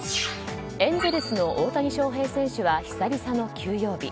エンゼルスの大谷翔平選手は久々の休養日。